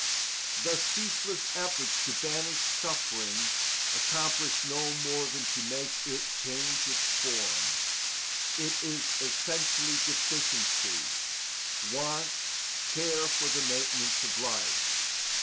The ceaseless efforts to banish suffering accomplish no more than to make it change its form. It is essentially deficiency, want, care for the maintenance of life.